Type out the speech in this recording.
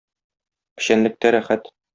Печәнлектә рәхәт.